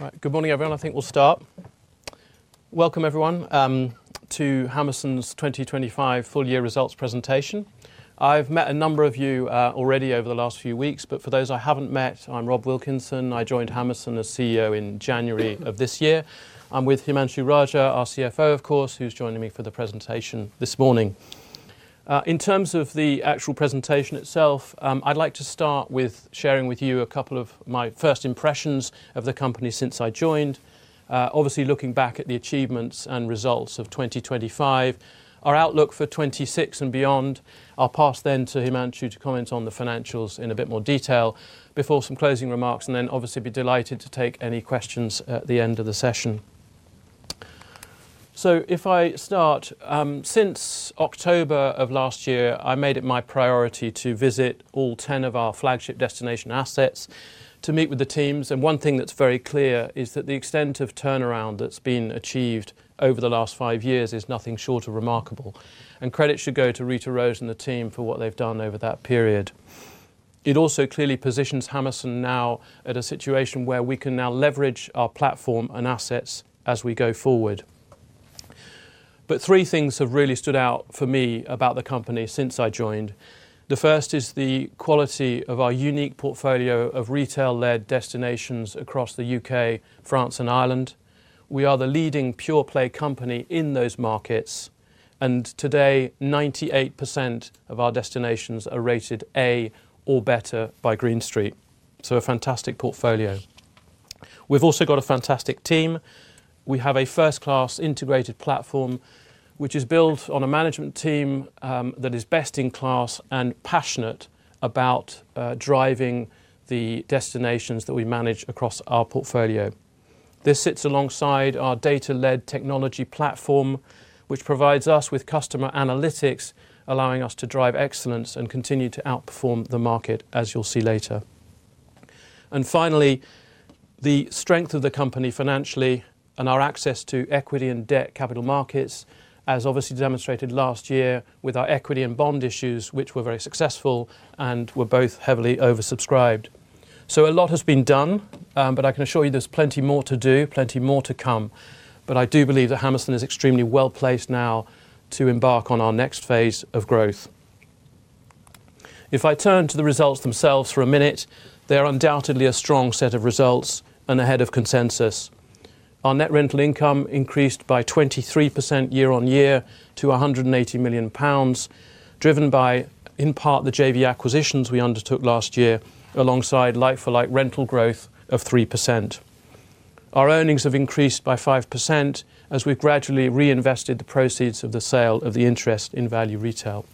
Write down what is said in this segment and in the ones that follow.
Right. Good morning, everyone. I think we'll start. Welcome, everyone, to Hammerson's 2025 Full Year Results Presentation. I've met a number of you already over the last few weeks, but for those I haven't met, I'm Rob Wilkinson. I joined Hammerson as CEO in January of this year. I'm with Himanshu Raja, our CFO, of course, who's joining me for the presentation this morning. In terms of the actual presentation itself, I'd like to start with sharing with you a couple of my first impressions of the company since I joined. Obviously, looking back at the achievements and results of 2025, our outlook for 2026 and beyond. I'll pass then to Himanshu to comment on the financials in a bit more detail before some closing remarks, then obviously, be delighted to take any questions at the end of the session. If I start, since October of last year, I made it my priority to visit all 10 of our flagship destination assets to meet with the teams, and one thing that's very clear is that the extent of turnaround that's been achieved over the last five years is nothing short of remarkable. Credit should go to Rita-Rose and the team for what they've done over that period. It also clearly positions Hammerson now at a situation where we can now leverage our platform and assets as we go forward. Three things have really stood out for me about the company since I joined. The first is the quality of our unique portfolio of retail-led destinations across the U.K., France, and Ireland. We are the leading pure play company in those markets, and today, 98% of our destinations are rated A or better by Green Street. A fantastic portfolio. We've also got a fantastic team. We have a first-class integrated platform, which is built on a management team that is best in class and passionate about driving the destinations that we manage across our portfolio. This sits alongside our data-led technology platform, which provides us with customer analytics, allowing us to drive excellence and continue to outperform the market, as you'll see later. Finally, the strength of the company financially and our access to equity and debt capital markets, as obviously demonstrated last year with our equity and bond issues, which were very successful and were both heavily oversubscribed. A lot has been done, but I can assure you there's plenty more to do, plenty more to come. I do believe that Hammerson is extremely well-placed now to embark on our next phase of growth. If I turn to the results themselves for a minute, they are undoubtedly a strong set of results and ahead of consensus. Our net rental income increased by 23% year-over-year to 180 million pounds, driven by, in part, the JV acquisitions we undertook last year, alongside like-for-like rental growth of 3%. Our earnings have increased by 5% as we've gradually reinvested the proceeds of the sale of the interest in Value Retail.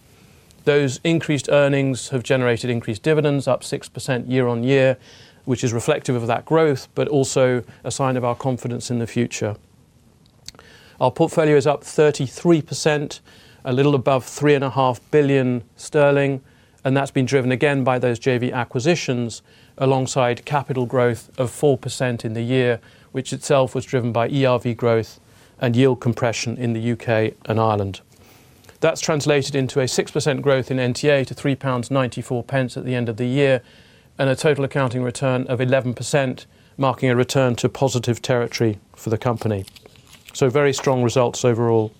Those increased earnings have generated increased dividends, up 6% year-over-year, which is reflective of that growth, but also a sign of our confidence in the future. Our portfolio is up 33%, a little above 3.5 billion sterling, and that's been driven again by those JV acquisitions, alongside capital growth of 4% in the year, which itself was driven by ERV growth and yield compression in the U.K. and Ireland. That's translated into a 6% growth in NTA to 3.94 pounds at the end of the year, and a total accounting return of 11%, marking a return to positive territory for the company. Very strong results overall.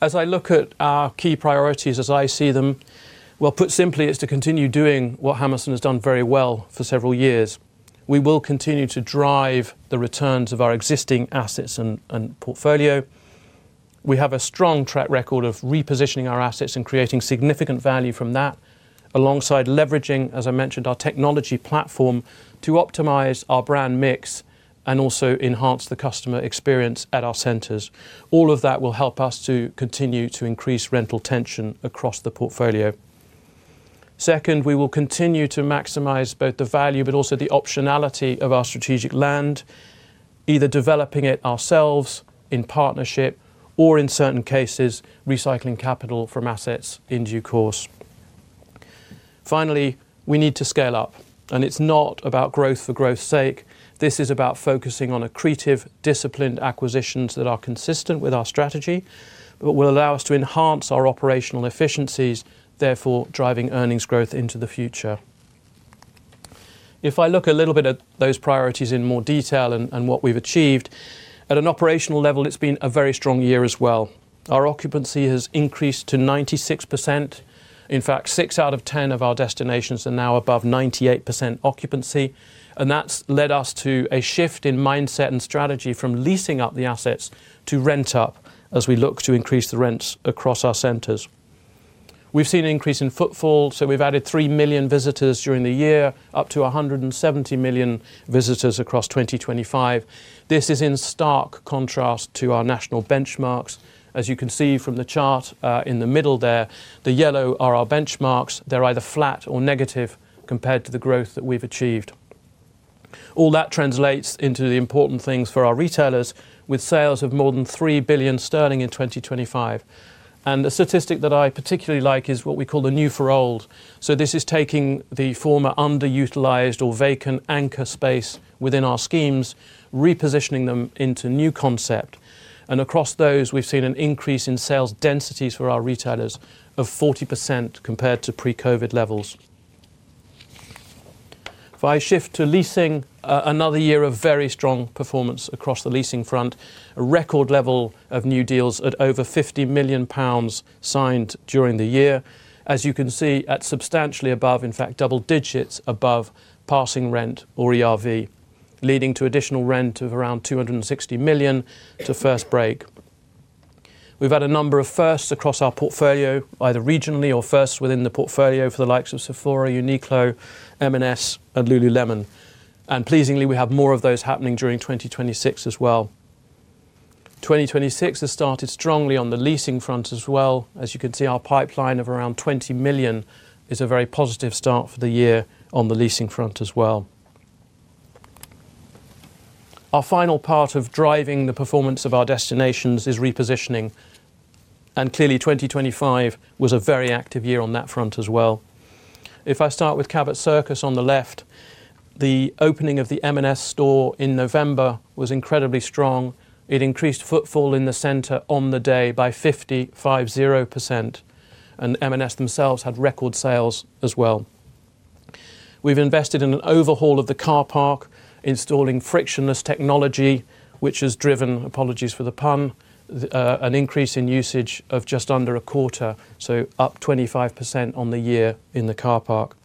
As I look at our key priorities as I see them, well, put simply, it's to continue doing what Hammerson has done very well for several years. We will continue to drive the returns of our existing assets and portfolio. We have a strong track record of repositioning our assets and creating significant value from that, alongside leveraging, as I mentioned, our technology platform to optimize our brand mix and also enhance the customer experience at our centers. All of that will help us to continue to increase rental tension across the portfolio. Second, we will continue to maximize both the value but also the optionality of our strategic land, either developing it ourselves, in partnership, or in certain cases, recycling capital from assets in due course. Finally, we need to scale up. It's not about growth for growth's sake. This is about focusing on accretive, disciplined acquisitions that are consistent with our strategy but will allow us to enhance our operational efficiencies, therefore, driving earnings growth into the future. I look a little bit at those priorities in more detail and what we've achieved, at an operational level, it's been a very strong year as well. Our occupancy has increased to 96%. In fact, 6 out of 10 of our destinations are now above 98% occupancy, That's led us to a shift in mindset and strategy from leasing up the assets to rent up as we look to increase the rents across our centers. We've seen an increase in footfall, We've added 3 million visitors during the year, up to 170 million visitors across 2025. This is in stark contrast to our national benchmarks. As you can see from the chart, in the middle there, the yellow are our benchmarks. They're either flat or negative compared to the growth that we've achieved. All that translates into the important things for our retailers, with sales of more than 3 billion sterling in 2025. The statistic that I particularly like is what we call the new for old. This is taking the former underutilized or vacant anchor space within our schemes, repositioning them into new concept. Across those, we've seen an increase in sales densities for our retailers of 40% compared to pre-COVID levels. If I shift to leasing, another year of very strong performance across the leasing front. A record level of new deals at over 50 million pounds signed during the year. As you can see, at substantially above, in fact, double digits above passing rent or ERV, leading to additional rent of around 260 million to first break. We've had a number of firsts across our portfolio, either regionally or firsts within the portfolio, for the likes of Sephora, Uniqlo, M&S, and Lululemon. Pleasingly, we have more of those happening during 2026 as well. 2026 has started strongly on the leasing front as well. As you can see, our pipeline of around 20 million is a very positive start for the year on the leasing front as well. Our final part of driving the performance of our destinations is repositioning, and clearly, 2025 was a very active year on that front as well. If I start with Cabot Circus on the left, the opening of the M&S store in November was incredibly strong. It increased footfall in the center on the day by 550%, and M&S themselves had record sales as well. We've invested in an overhaul of the car park, installing frictionless technology, which has driven, apologies for the pun, an increase in usage of just under a quarter, so up 25% on the year in the car park.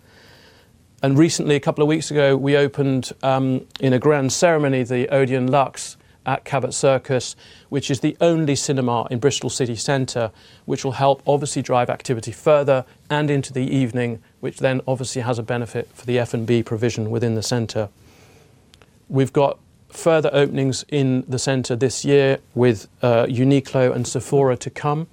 Recently, a couple of weeks ago, we opened, in a grand ceremony, the ODEON Luxe at Cabot Circus, which is the only cinema in Bristol City Centre, which will help obviously drive activity further and into the evening, which then obviously has a benefit for the F&B provision within the centre. We've got further openings in the centre this year with Uniqlo and Sephora to come,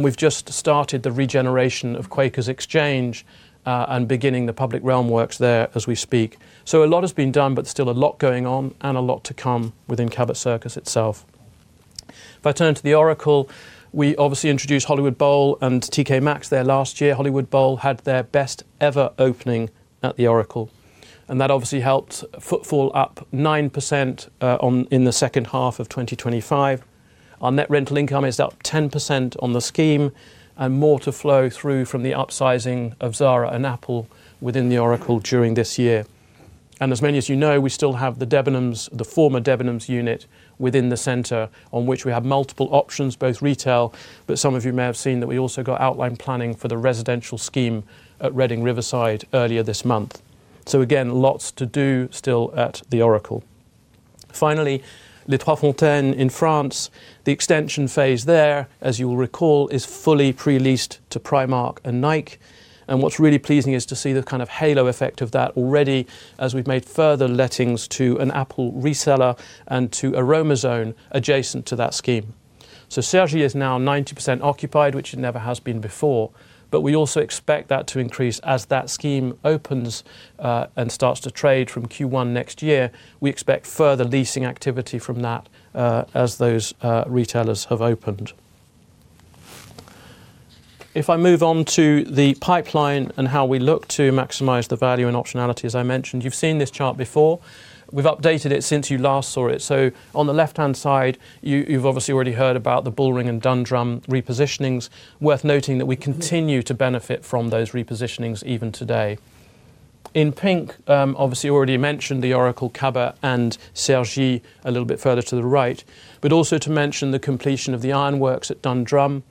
we've just started the regeneration of Quakers Exchange, and beginning the public realm works there as we speak. A lot has been done, but still a lot going on and a lot to come within Cabot Circus itself. If I turn to The Oracle, we obviously introduced Hollywood Bowl and TK Maxx there last year. Hollywood Bowl had their best-ever opening at The Oracle, that obviously helped footfall up 9% in the second half of 2025. Our net rental income is up 10% on the scheme, more to flow through from the upsizing of Zara and Apple within The Oracle during this year. As many as you know, we still have the Debenhams, the former Debenhams unit within the center, on which we have multiple options, both retail, but some of you may have seen that we also got outline planning for the residential scheme at Reading Riverside earlier this month. Again, lots to do still at The Oracle. Finally, Les 3 Fontaines in France. The extension phase there, as you will recall, is fully pre-leased to Primark and Nike. What's really pleasing is to see the kind of halo effect of that already as we've made further lettings to an Apple reseller and to Aroma-Zone adjacent to that scheme. Cergy is now 90% occupied, which it never has been before, but we also expect that to increase as that scheme opens and starts to trade from Q1 next year. We expect further leasing activity from that as those retailers have opened. If I move on to the pipeline and how we look to maximize the value and optionality, as I mentioned, you've seen this chart before. We've updated it since you last saw it. On the left-hand side, you've obviously already heard about the Bullring and Dundrum repositionings. Worth noting that we continue to benefit from those repositionings even today. In pink, obviously, already mentioned The Oracle, Cabot, and Cergy, a little bit further to the right, but also to mention the completion of the Ironworks at Dundrum,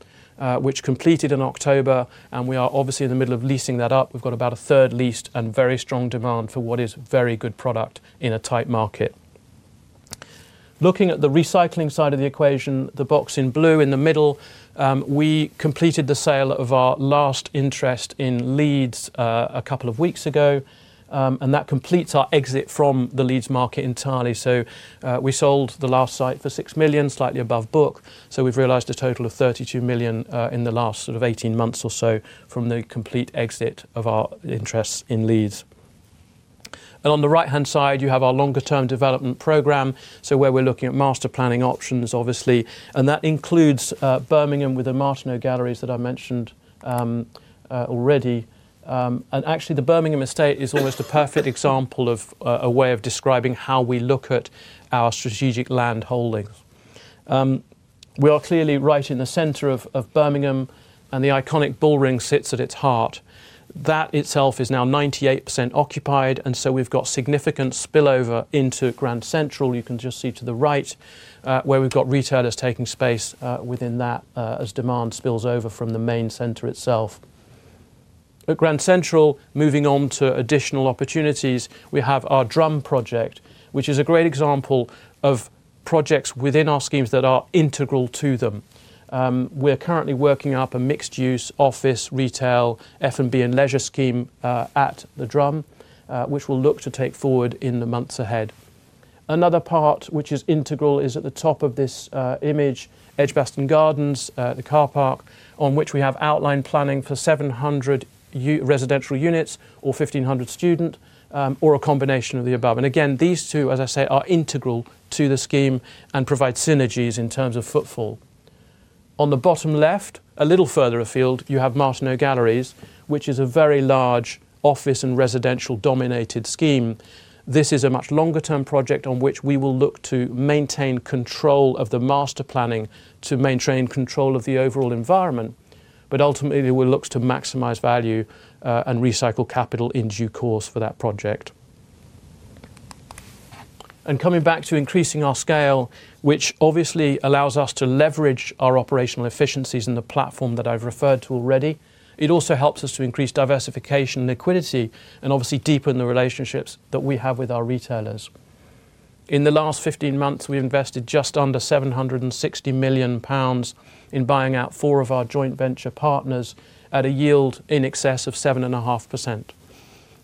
which completed in October. We are obviously in the middle of leasing that up. We've got about a third leased and very strong demand for what is very good product in a tight market. Looking at the recycling side of the equation, the box in blue in the middle, we completed the sale of our last interest in Leeds, a couple of weeks ago. That completes our exit from the Leeds market entirely. We sold the last site for 6 million, slightly above book, so we've realized a total of 32 million in the last sort of 18 months or so from the complete exit of our interests in Leeds. On the right-hand side, you have our longer-term development program, so where we're looking at master planning options, obviously, and that includes Birmingham with the Martineau Galleries that I mentioned already. Actually, the Birmingham estate is almost a perfect example of a way of describing how we look at our strategic land holdings. We are clearly right in the center of Birmingham, and the iconic Bullring sits at its heart. That itself is now 98% occupied, so we've got significant spillover into Grand Central. You can just see to the right, where we've got retailers taking space within that, as demand spills over from the main center itself. At Grand Central, moving on to additional opportunities, we have our Drum project, which is a great example of projects within our schemes that are integral to them. We're currently working up a mixed-use office, retail, F&B, and leisure scheme at the Drum, which we'll look to take forward in the months ahead. Another part which is integral is at the top of this image, Edgbaston Gardens, the car park, on which we have outlined planning for 700 residential units or 1,500 student, or a combination of the above. Again, these two, as I say, are integral to the scheme and provide synergies in terms of footfall. On the bottom left, a little further afield, you have Martineau Galleries, which is a very large office and residential-dominated scheme. This is a much longer-term project on which we will look to maintain control of the master planning to maintain control of the overall environment. Ultimately, we'll look to maximize value, and recycle capital in due course for that project. Coming back to increasing our scale, which obviously allows us to leverage our operational efficiencies in the platform that I've referred to already, it also helps us to increase diversification and liquidity, and obviously deepen the relationships that we have with our retailers. In the last 15 months, we've invested just under 760 million pounds in buying out four of our joint venture partners at a yield in excess of 7.5%.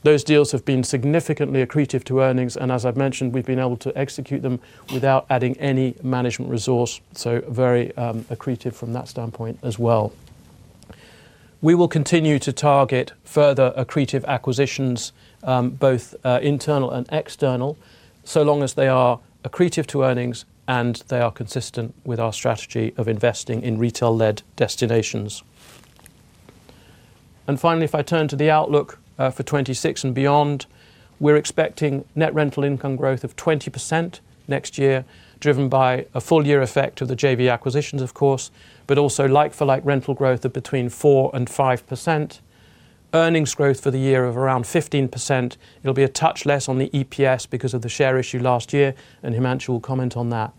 Those deals have been significantly accretive to earnings, and as I've mentioned, we've been able to execute them without adding any management resource, so very accretive from that standpoint as well. We will continue to target further accretive acquisitions, both internal and external, so long as they are accretive to earnings, and they are consistent with our strategy of investing in retail-led destinations. Finally, if I turn to the outlook for 2026 and beyond, we're expecting net rental income growth of 20% next year, driven by a full year effect of the JV acquisitions, of course, but also like-for-like rental growth of between 4% and 5%. Earnings growth for the year of around 15%. It'll be a touch less on the EPS because of the share issue last year, and Himanshu will comment on that.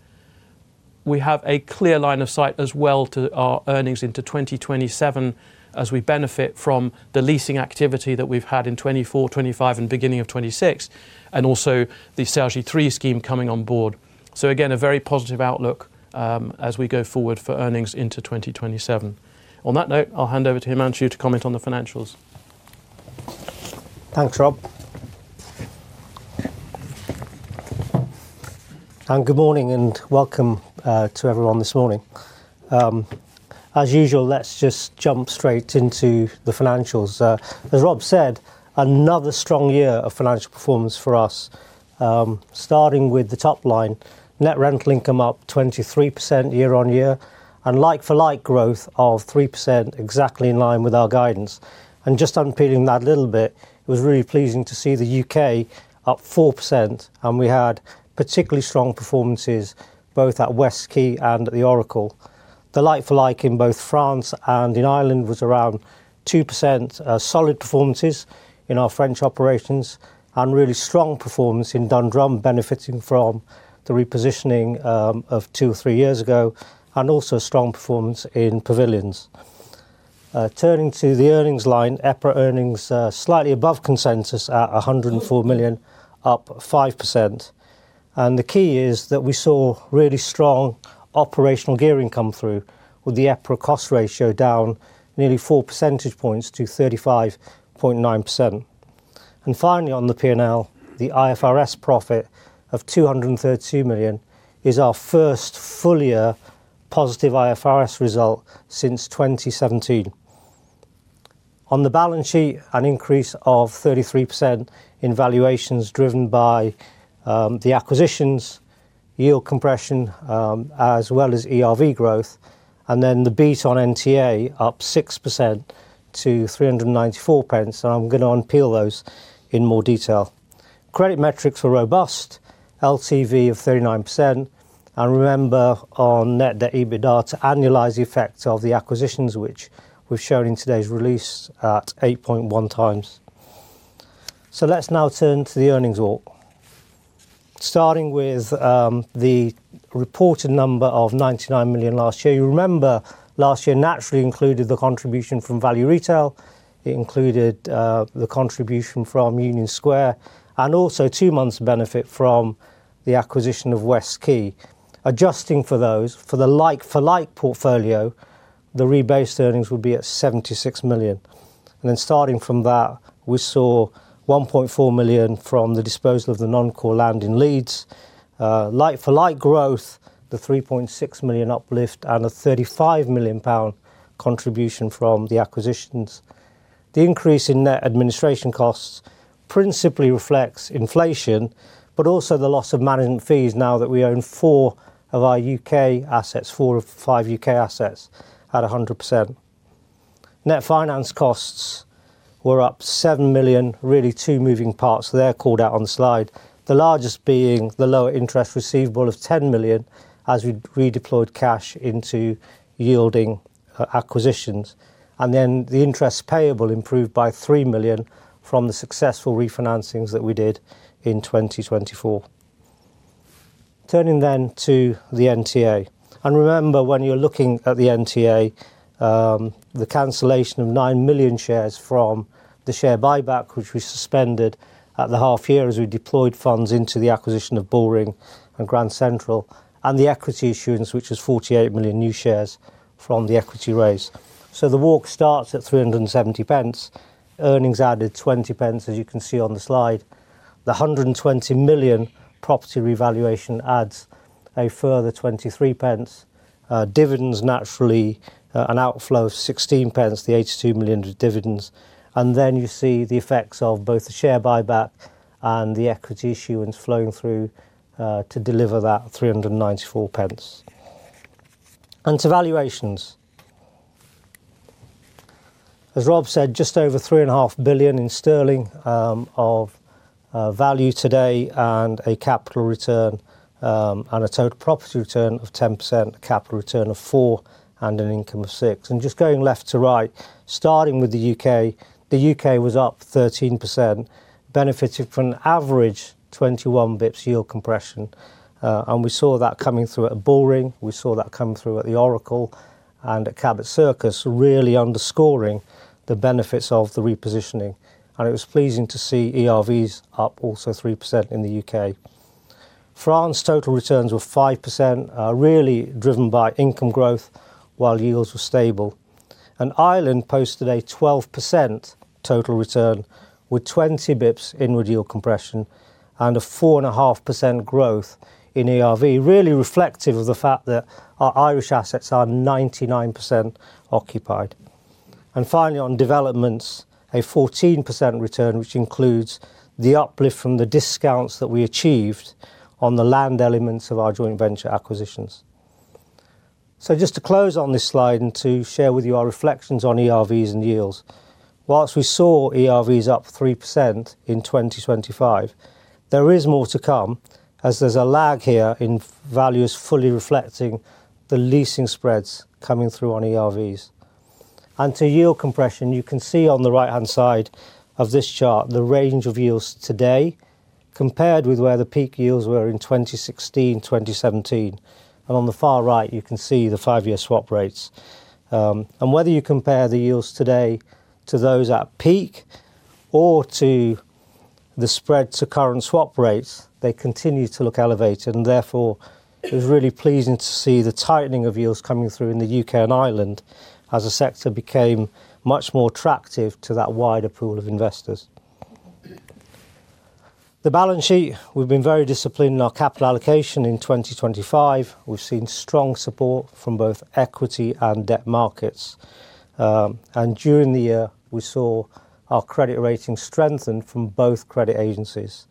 We have a clear line of sight as well to our earnings into 2027, as we benefit from the leasing activity that we've had in 2024, 2025, and beginning of 2026, and also the Cergy 3 scheme coming on board. Again, a very positive outlook as we go forward for earnings into 2027. On that note, I'll hand over to Himanshu to comment on the financials. Thanks, Rob. Good morning, and welcome to everyone this morning. As usual, let's just jump straight into the financials. As Rob said, another strong year of financial performance for us. Starting with the top line, net rental income up 23% year on year, and like-for-like growth of 3%, exactly in line with our guidance. Just unpeeling that a little bit, it was really pleasing to see the U.K. up 4%, and we had particularly strong performances, both at Westquay and at The Oracle. The like-for-like in both France and in Ireland was around 2%. Solid performances in our French operations, and really strong performance in Dundrum, benefiting from the repositioning of two, three years ago, and also strong performance in Pavilions. Turning to the earnings line, EPRA earnings, slightly above consensus at 104 million, up 5%. The key is that we saw really strong operational gearing come through with the EPRA cost ratio down nearly 4 percentage points to 35.9%. Finally, on the P&L, the IFRS profit of 232 million is our first full year positive IFRS result since 2017. On the balance sheet, an increase of 33% in valuations, driven by the acquisitions, yield compression, as well as ERV growth, and then the beat on NTA up 6% to 3.94. I'm going to unpeel those in more detail. Credit metrics were robust, LTV of 39%. Remember, on net debt, EBITDA to annualize the effects of the acquisitions, which we've shown in today's release at 8.1x. Let's now turn to the earnings walk. Starting with the reported number of 99 million last year. You remember, last year naturally included the contribution from Value Retail. It included the contribution from Union Square, and also two months benefit from the acquisition of Westquay. Adjusting for those, for the like-for-like portfolio, the rebased earnings would be at 76 million. Starting from that, we saw 1.4 million from the disposal of the non-core land in Leeds. Like-for-like growth, the 3.6 million uplift and a 35 million pound contribution from the acquisitions. The increase in net administration costs principally reflects inflation, but also the loss of management fees now that we own four of our U.K. assets, four of five U.K. assets at 100%. Net finance costs were up 7 million, really two moving parts there, called out on the slide. The largest being the lower interest receivable of 10 million, as we redeployed cash into yielding acquisitions, and then the interest payable improved by 3 million from the successful refinancings that we did in 2024. Turning to the NTA. Remember, when you're looking at the NTA, the cancellation of 9 million shares from the share buyback, which we suspended at the half year as we deployed funds into the acquisition of Bullring and Grand Central, and the equity issuance, which was 48 million new shares from the equity raise. The walk starts at 3.70. Earnings added 0.20, as you can see on the slide. The 120 million property revaluation adds a further 0.23. Dividends, naturally, an outflow of 0.16, the 82 million dividends. Then, you see the effects of both the share buyback and the equity issuance flowing through to deliver that 3.94. On to valuations. As Rob said, just over 3.5 billion in sterling, of value today, and a capital return, and a total property return of 10%, a capital return of 4%, and an income of 6%. Just going left to right, starting with the U.K., the U.K. was up 13%, benefiting from an average 21 bps yield compression. We saw that coming through at Bullring, we saw that come through at The Oracle and at Cabot Circus, really underscoring the benefits of the repositioning. It was pleasing to see ERVs up also 3% in the U.K. France, total returns were 5%, really driven by income growth, while yields were stable. Ireland posted a 12% total return, with 20 bps in yield compression and a 4.5% growth in ERV, really reflective of the fact that our Irish assets are 99% occupied. Finally, on developments, a 14% return, which includes the uplift from the discounts that we achieved on the land elements of our joint venture acquisitions. Just to close on this slide and to share with you our reflections on ERVs and yields. Whilst we saw ERVs up 3% in 2025, there is more to come, as there's a lag here in values fully reflecting the leasing spreads coming through on ERVs. Onto yield compression, you can see on the right-hand side of this chart, the range of yields today, compared with where the peak yields were in 2016, 2017. On the far right, you can see the five-year swap rates. Whether you compare the yields today to those at peak or to the spread to current swap rates, they continue to look elevated. Therefore, it was really pleasing to see the tightening of yields coming through in the U.K. and Ireland, as the sector became much more attractive to that wider pool of investors. The balance sheet, we've been very disciplined in our capital allocation in 2025. We've seen strong support from both equity and debt markets. During the year, we saw our credit rating strengthened from both credit agencies.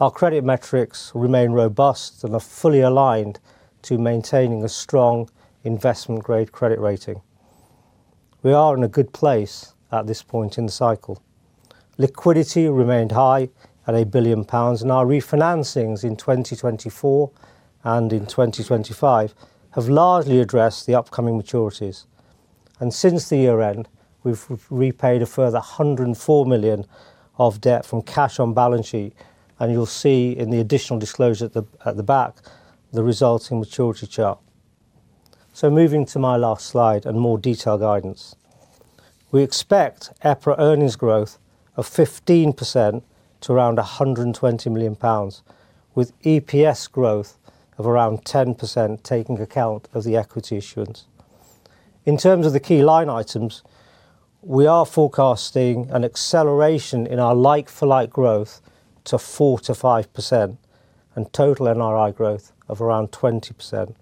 Our credit metrics remain robust and are fully aligned to maintaining a strong investment-grade credit rating. We are in a good place at this point in the cycle. Liquidity remained high at 1 billion pounds. Our refinancings in 2024 and in 2025 have largely addressed the upcoming maturities. Since the year-end, we've repaid a further 104 million of debt from cash on balance sheet, and you'll see in the additional disclosure at the back, the resulting maturity chart. Moving to my last slide and more detailed guidance. We expect EPRA earnings growth of 15% to around 120 million pounds, with EPS growth of around 10%, taking account of the equity issuance. In terms of the key line items, we are forecasting an acceleration in our like-for-like growth to 4%-5% and total NRI growth of around 20%.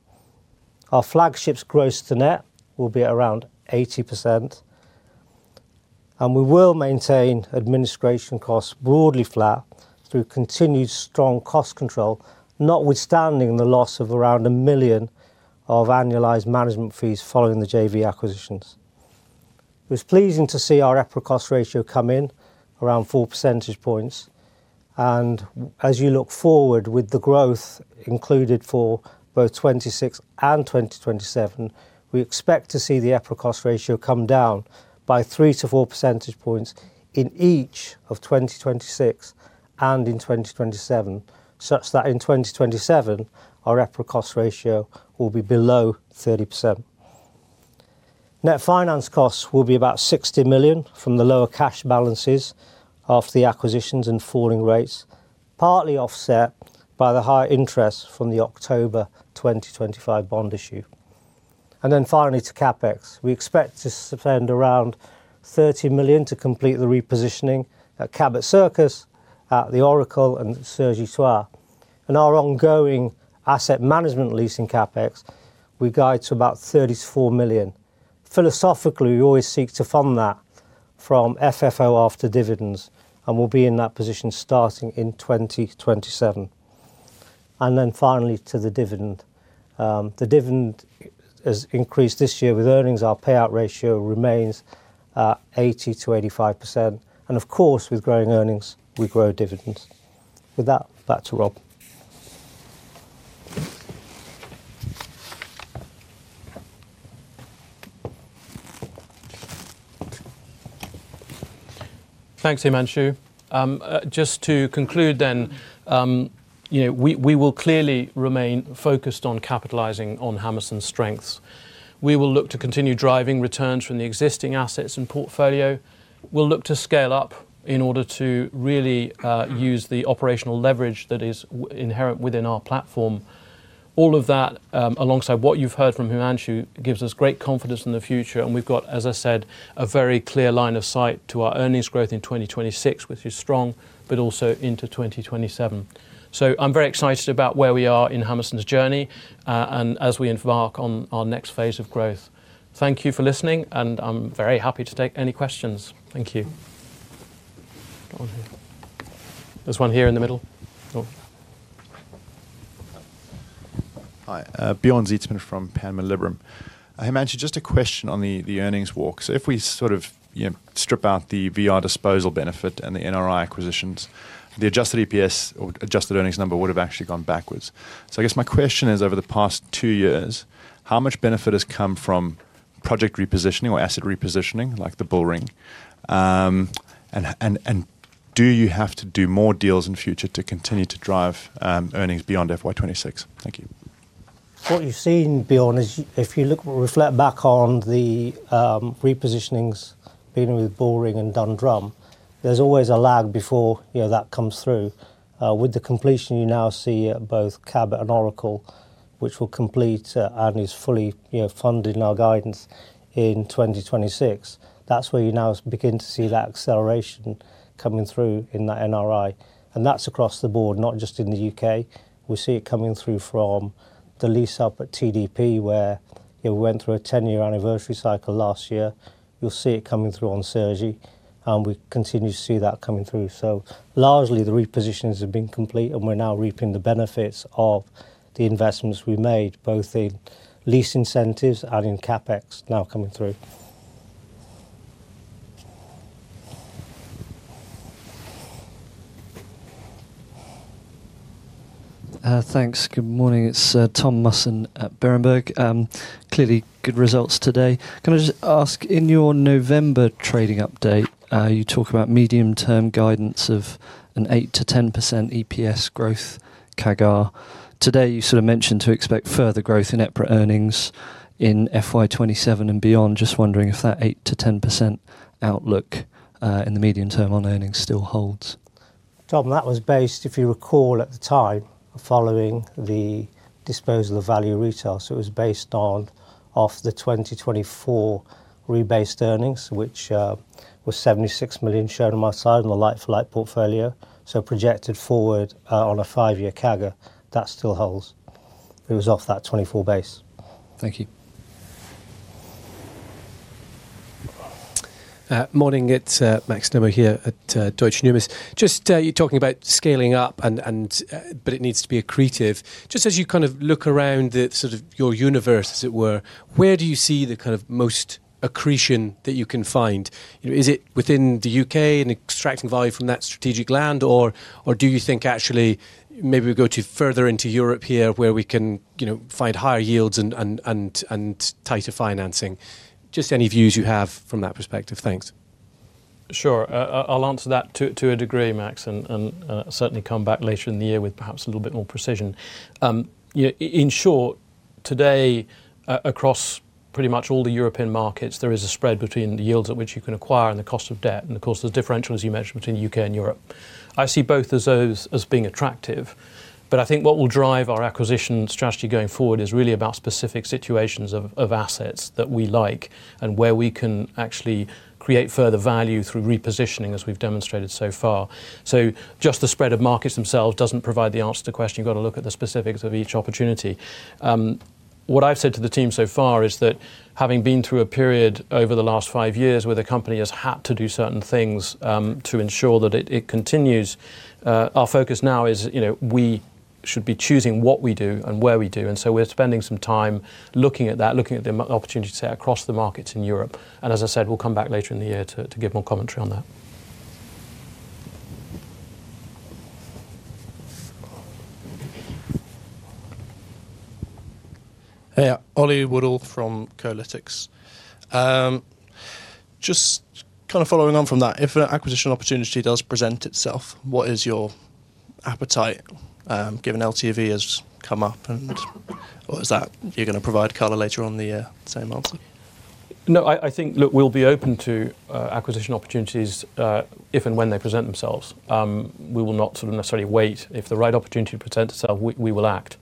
Our flagships gross to net will be around 80%. We will maintain administration costs broadly flat through continued strong cost control, notwithstanding the loss of around 1 million of annualized management fees following the JV acquisitions. It was pleasing to see our EPRA cost ratio come in around 4 percentage points, as you look forward with the growth included for both 2026 and 2027, we expect to see the EPRA cost ratio come down by 3-4 percentage points in each of 2026 and in 2027, such that in 2027, our EPRA cost ratio will be below 30%. Net finance costs will be about 60 million from the lower cash balances of the acquisitions and falling rates, partly offset by the higher interest from the October 2025 bond issue. Finally, to CapEx. We expect to spend around 30 million to complete the repositioning at Cabot Circus, at The Oracle and Cergy-Pontoise. Our ongoing asset management leasing CapEx, we guide to about 34 million. Philosophically, we always seek to fund that from FFO after dividends, we'll be in that position starting in 2027. Finally, to the dividend. The dividend has increased this year. With earnings, our payout ratio remains 80%-85%, of course, with growing earnings, we grow dividends. With that, back to Rob. Thanks, Himanshu. Just to conclude then, you know, we will clearly remain focused on capitalizing on Hammerson's strengths. We will look to continue driving returns from the existing assets and portfolio. We'll look to scale up in order to really use the operational leverage that is inherent within our platform. All of that, alongside what you've heard from Himanshu, gives us great confidence in the future, and we've got, as I said, a very clear line of sight to our earnings growth in 2026, which is strong, but also into 2027. I'm very excited about where we are in Hammerson's journey, and as we embark on our next phase of growth. Thank you for listening, and I'm very happy to take any questions. Thank you. There's one here in the middle. Hi, Bjorn Zietsman from Panmure Liberum. Hey, Himanshu, just a question on the earnings walk. If we sort of, you know, strip out the VR disposal benefit and the NRI acquisitions, the adjusted EPS or adjusted earnings number would have actually gone backwards. I guess my question is, over the past two years, how much benefit has come from project repositioning or asset repositioning, like the Bullring? And do you have to do more deals in future to continue to drive earnings beyond FY 2026? Thank you. What you're seeing, Bjorn, is if you look, reflect back on the repositionings, beginning with Bullring and Dundrum, there's always a lag before, you know, that comes through. With the completion, you now see at both Cabot and Oracle, which will complete and is fully, you know, funded in our guidance in 2026. That's where you now begin to see that acceleration coming through in that NRI, and that's across the board, not just in the U.K. We see it coming through from the lease-up at TDP, where it went through a 10-year anniversary cycle last year. You'll see it coming through on Cergy, and we continue to see that coming through. Largely, the repositions have been complete, and we're now reaping the benefits of the investments we made, both in lease incentives and in CapEx now coming through. Thanks. Good morning. It's Tom Musson at Berenberg. Clearly, good results today. Can I just ask, in your November trading update, you talk about medium-term guidance of an 8%-10% EPS growth CAGR. Today, you sort of mentioned to expect further growth in EPRA earnings in FY 2027 and beyond. Just wondering if that 8%-10% outlook in the medium term on earnings still holds? Tom, that was based, if you recall at the time, following the disposal of Value Retail. It was based on off the 2024 rebased earnings, which was 76 million shown on my side in the like-for-like portfolio. Projected forward, on a five-year CAGR, that still holds. It was off that 2024 base. Thank you. Morning. It's Max Nimmo here at Deutsche Numis. Just you're talking about scaling up, and, but it needs to be accretive. Just as you kind of look around the sort of your universe, as it were, where do you see the kind of most accretion that you can find? You know, is it within the U.K. and extracting value from that strategic land, or do you think actually maybe we go to further into Europe here, where we can, you know, find higher yields and tighter financing? Just any views you have from that perspective. Thanks. Sure. I'll answer that to a degree, Max, and certainly come back later in the year with perhaps a little bit more precision. In short, today, across pretty much all the European markets, there is a spread between the yields at which you can acquire and the cost of debt, and of course, there's differential, as you mentioned, between U.K. and Europe. I see both as those, as being attractive. I think what will drive our acquisition strategy going forward is really about specific situations of assets that we like and where we can actually create further value through repositioning, as we've demonstrated so far. Just the spread of markets themselves doesn't provide the answer to the question. You've got to look at the specifics of each opportunity. What I've said to the team so far is that, having been through a period over the last five years where the company has had to do certain things, to ensure that it continues, our focus now is, you know, we should be choosing what we do and where we do. So we're spending some time looking at that, looking at the opportunities across the markets in Europe. As I said, we'll come back later in the year to give more commentary on that. Hey, Oliver Woodall from Kolytics. Just kind of following on from that, if an acquisition opportunity does present itself, what is your appetite, given LTV has come up, and, or is that you're going to provide color later on the same answer? No, I think, look, we'll be open to acquisition opportunities if and when they present themselves. We will not sort of necessarily wait. If the right opportunity presents itself, we will act.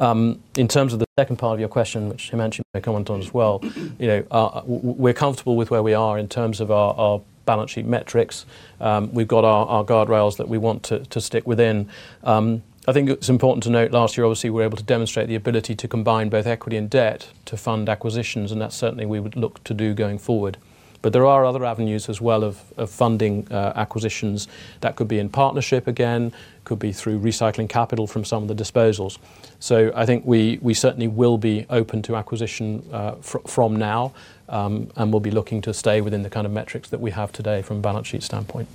In terms of the second part of your question, which Himanshu may comment on as well, you know, we're comfortable with where we are in terms of our balance sheet metrics. We've got our guardrails that we want to stick within. I think it's important to note last year, obviously, we were able to demonstrate the ability to combine both equity and debt to fund acquisitions, and that's certainly we would look to do going forward. There are other avenues as well of funding acquisitions that could be in partnership again, could be through recycling capital from some of the disposals. I think we certainly will be open to acquisition, from now, and we'll be looking to stay within the kind of metrics that we have today from a balance sheet standpoint.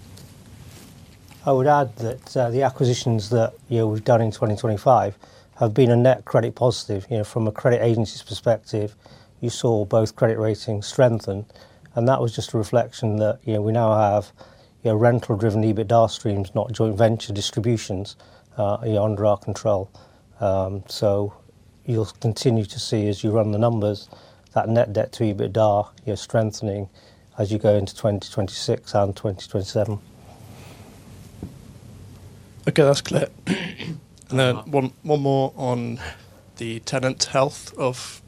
I would add that, the acquisitions that, you know, we've done in 2025 have been a net credit positive. You know, from a credit agency's perspective, you saw both credit ratings strengthen, and that was just a reflection that, you know, we now have, you know, rental-driven EBITDA streams, not joint venture distributions, under our control. You'll continue to see, as you run the numbers, that net debt to EBITDA, you're strengthening as you go into 2026 and 2027. Okay, that's clear. One more on the tenant health of--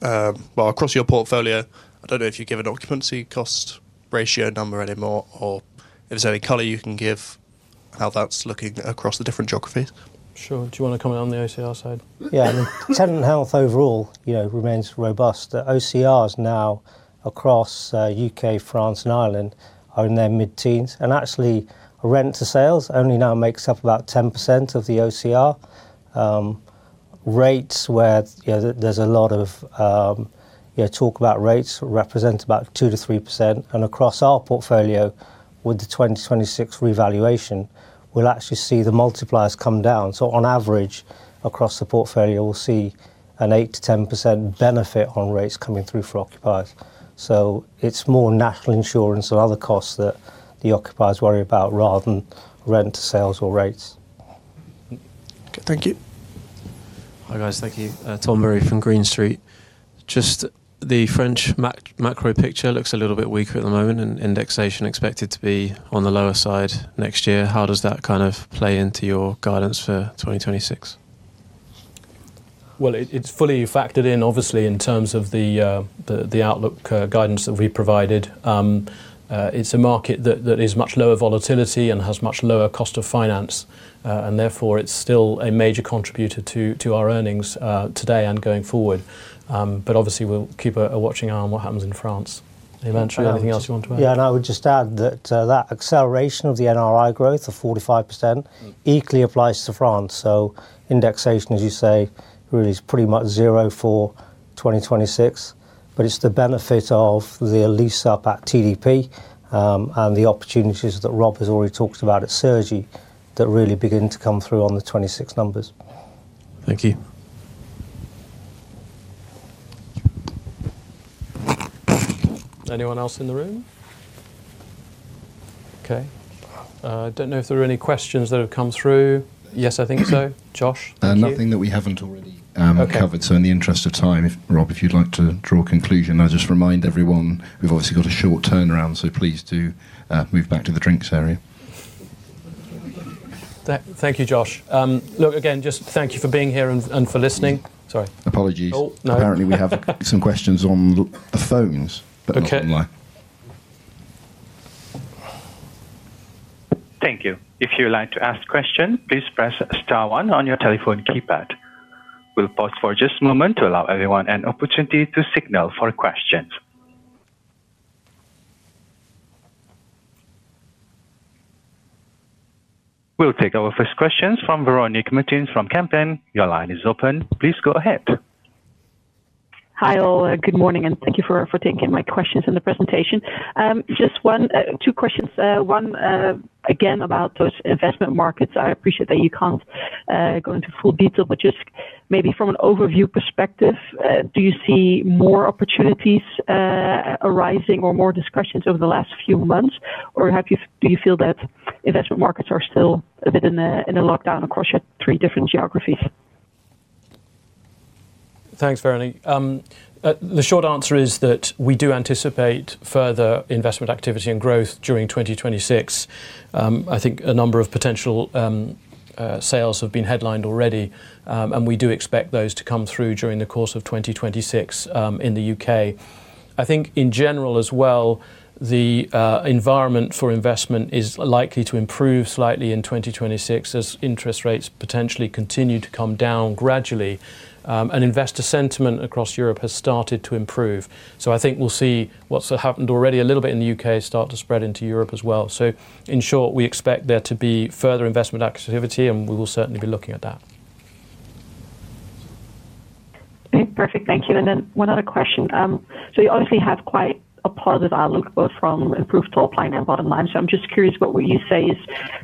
Well, across your portfolio, I don't know if you give an occupancy cost ratio number anymore, or if there's any color you can give, how that's looking across the different geographies? Sure. Do you want to comment on the OCR side? Tenant health overall, you know, remains robust. The OCR is now across U.K., France, and Ireland, are in their mid-teens, and actually, rent to sales only now makes up about 10% of the OCR. Rates where, you know, there's a lot of talk about rates represent about 2%-3%, and across our portfolio, with the 2026 revaluation, we'll actually see the multipliers come down. On average, across the portfolio, we'll see an 8%-10% benefit on rates coming through for occupiers. It's more National Insurance and other costs that the occupiers worry about, rather than rent, sales, or rates. Okay, thank you. Hi, guys. Thank you. Tom Murray from Green Street. Just the French macro picture looks a little bit weaker at the moment, and indexation expected to be on the lower side next year. How does that kind of play into your guidance for 2026? It's fully factored in, obviously, in terms of the outlook guidance that we provided. It's a market that is much lower volatility and has much lower cost of finance, and therefore, it's still a major contributor to our earnings today and going forward. Obviously, we'll keep a watching eye on what happens in France. Ian, is there anything else you want to add? I would just add that acceleration of the NRI growth of 45% equally applies to France, indexation, as you say, really is pretty much zero for 2026. It's the benefit of the lease-up at TDP, and the opportunities that Rob has already talked about at Cergy, that really begin to come through on the 2026 numbers. Thank you. Anyone else in the room? Okay. I don't know if there are any questions that have come through. Yes, I think so. Josh? Nothing that we haven't already. Okay. covered. In the interest of time, if, Rob, if you'd like to draw a conclusion. I'll just remind everyone, we've obviously got a short turnaround, so please do move back to the drinks area. Thank you, Josh. look, again, just thank you for being here and for listening. Sorry. Apologies. Oh, no. Apparently, we have some questions on the phones. Okay. Not online. Thank you. If you would like to ask a question, please press star one on your telephone keypad. We'll pause for just a moment to allow everyone an opportunity to signal for questions. We'll take our first questions from Véronique Martinez from Kepler. Your line is open. Please go ahead. Hi, all. Good morning, thank you for taking my questions in the presentation. Just one, two questions. One, again, about those investment markets. I appreciate that you can't go into full detail, just maybe from an overview perspective, do you see more opportunities arising or more discussions over the last few months, do you feel that investment markets are still a bit in a lockdown across your three different geographies? Thanks, Véronique. The short answer is that we do anticipate further investment activity and growth during 2026. I think a number of potential sales have been headlined already, and we do expect those to come through during the course of 2026 in the U.K. I think in general as well, the environment for investment is likely to improve slightly in 2026, as interest rates potentially continue to come down gradually, and investor sentiment across Europe has started to improve. I think we'll see what's happened already a little bit in the U.K. start to spread into Europe as well. In short, we expect there to be further investment activity, and we will certainly be looking at that. Okay, perfect. Thank you. One other question: You obviously have quite a positive outlook, both from improved top line and bottom line. I'm just curious, what would you say is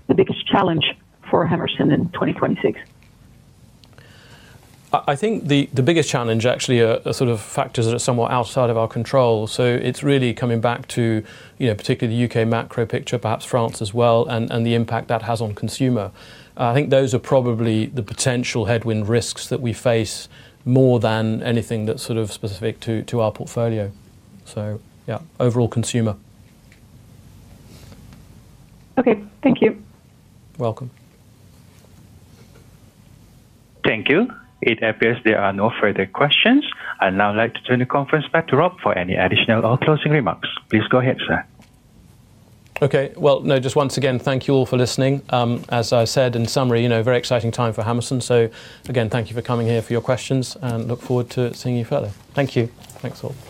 the biggest challenge for Hammerson in 2026? I think the biggest challenge actually are sort of factors that are somewhat outside of our control. It's really coming back to, you know, particularly the U.K. macro picture, perhaps France as well, and the impact that has on consumer. I think those are probably the potential headwind risks that we face more than anything that's sort of specific to our portfolio. Yeah, overall consumer. Okay. Thank you. Welcome. Thank you. It appears there are no further questions. I'd now like to turn the conference back to Rob for any additional or closing remarks. Please go ahead, sir. Okay. Well, no, just once again, thank you all for listening. As I said, in summary, you know, a very exciting time for Hammerson, again, thank you for coming here, for your questions, and look forward to seeing you further. Thank you. Thanks, all.